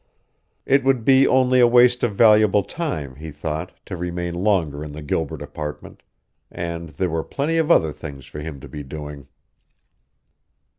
It would be only a waste of valuable time, he thought, to remain longer in the Gilbert apartment; and there were plenty of other things for him to be doing.